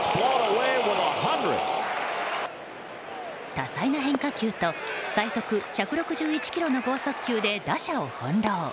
多彩な変化球と最速１６１キロの豪速球で打者を翻弄。